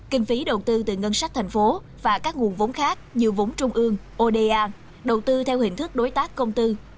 kinh phí đầu tư từ ngân sách thành phố và các nguồn vốn khác như vốn trung ương oda đầu tư theo hình thức đối tác công tư